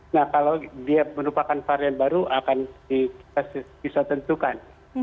nah kalau dia merupakan varian baru akan kita bisa tentukan